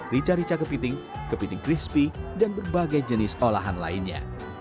rica rica kepiting kepiting crispy dan berbagai jenis olahan lainnya